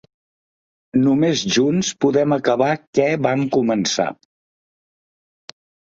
Només junts podem acabar què vam començar.